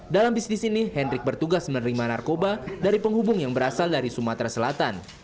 dalam bisnis ini hendrik bertugas menerima narkoba dari penghubung yang berasal dari sumatera selatan